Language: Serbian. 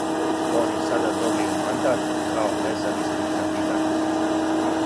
Он је сада добио мандат као независни кандидат.